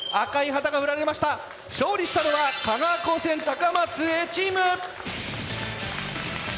勝利したのは香川高専高松Ａチーム。